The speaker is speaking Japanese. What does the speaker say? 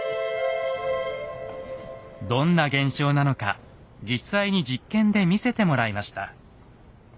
どんな現象なのか実際に実験で見せてもらいました。